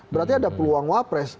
berarti ada peluang wapres